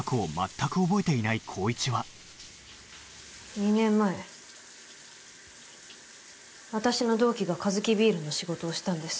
２年前私の同期がカヅキビールの仕事をしたんです。